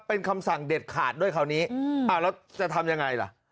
เป็นคำสั่งเด็ดขาดด้วยคราวนี้อ้าวแล้วจะทำยังไงล่ะ